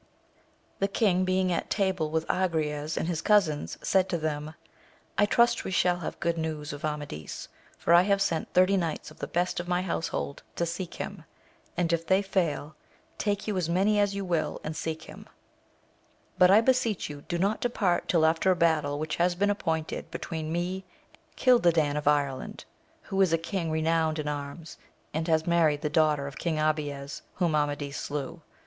The king being at table with Agrayes and his cousins^ said to them, I trust we shall have good news of Amadis, for I have sent thirty knights of the best of my household to seek him, and, if they fail, take you as many as you will and seek him ; but I beseech you do not depart till after a battle which has been appointed between me and King CHdadan of Ireland, AMADIS OF GAUL. 9 who is a king renowned in arms, and has married the daughter of king Abies, whom Amadis slew.